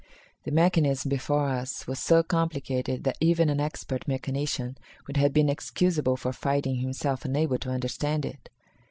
The mechanism before us was so complicated that even an expert mechanician would have been excusable for finding himself unable to understand it.